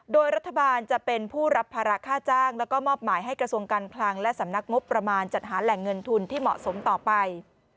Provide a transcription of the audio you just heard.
โดยรัฐบาลจะเป็นผู้รับภาระค่าจ้างแล้วก็มอบหมายให้กระทรวงการคลังและสำนักงบประมาณจัดหาแหล่งเงินทุนที่เหมาะสมต่อไป